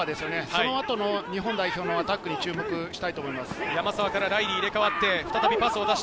そのあと日本代表のアタックに注目したいと思います。